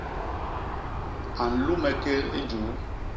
A nlume kék i juu.